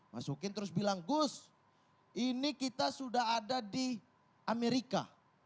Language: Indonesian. masukin terus bilang gus ini kita sudah ada di amerika